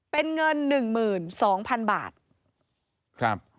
เป็นเงิน๑๒๐๐๐บาท